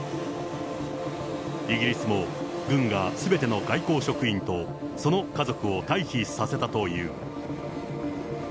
イギリスも軍がすべての外交職員とその家族を退避させたという。